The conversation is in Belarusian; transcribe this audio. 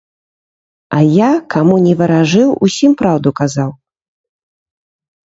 А я, каму ні варажыў, усім праўду казаў.